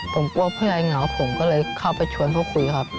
ผมกลัวพ่อใหญ่เหงาผมก็เลยเข้าไปชวนเขาคุยครับ